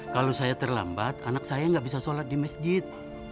kalau saya terlambat anak saya nggak bisa sholat di masjid